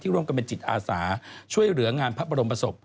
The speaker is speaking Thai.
ร่วมกันเป็นจิตอาสาช่วยเหลืองานพระบรมศพ